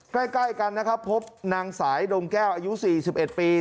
ใกล้กันนะครับพบนางสายดงแก้วอายุ๔๑ปี